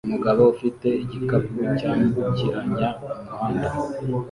Umugabo ufite igikapu cyambukiranya umuhanda